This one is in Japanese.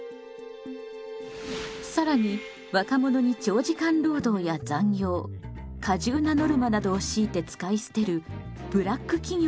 更に若者に長時間労働や残業過重なノルマなどを強いて使い捨てるブラック企業も問題視されています。